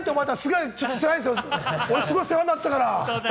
俺、すごい世話になったから。